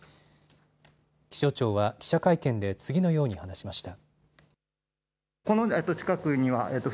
気象庁は記者会見で次のように話しました。